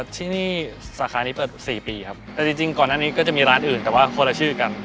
ที่นี่สาขานี้เปิด๔ปีครับแต่จริงก่อนอันนี้ก็จะมีร้านอื่นแต่ว่าคนละชื่อกัน